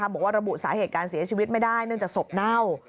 ระบุสาเหตุการเสียชีวิตไม่ได้เนื่องจากศพเน่า